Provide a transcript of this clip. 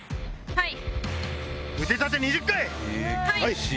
はい。